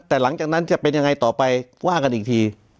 แต่หลังจากนั้นจะเป็นยังไงต่อไปว่ากันอีกที